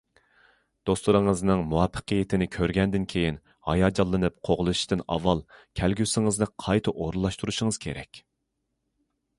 دوستلىرىڭىزنىڭ مۇۋەپپەقىيىتىنى كۆرگەندىن كېيىن، ھاياجانلىنىپ قوغلىشىشتىن ئاۋۋال كەلگۈسىڭىزنى قايتا ئورۇنلاشتۇرۇشىڭىز كېرەك.